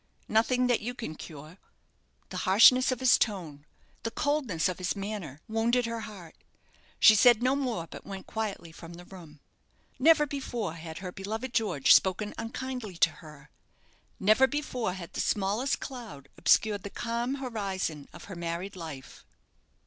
"Nothing that you can cure." The harshness of his tone, the coldness of his manner, wounded her heart. She said no more, but went quietly from the room. Never before had her beloved George spoken unkindly to her never before had the smallest cloud obscured the calm horizon of her married life.